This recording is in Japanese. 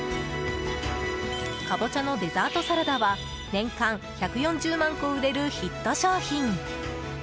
かぼちゃのデザートサラダは年間１４０万個売れるヒット商品。